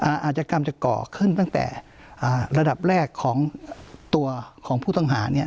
อาจกรรมจะก่อขึ้นตั้งแต่ระดับแรกของตัวของผู้ต้องหาเนี่ย